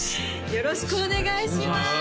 よろしくお願いします